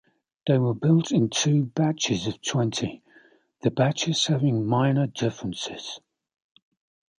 They were built in two batches of twenty, the batches having minor differences.